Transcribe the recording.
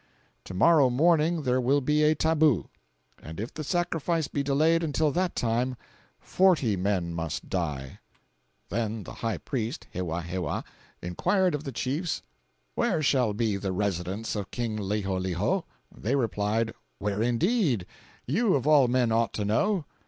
To morrow morning there will be a tabu, and, if the sacrifice be delayed until that time, forty men must die.' "Then the high priest, Hewahewa, inquired of the chiefs, 'Where shall be the residence of King Liholiho?' They replied, 'Where, indeed? You, of all men, ought to know.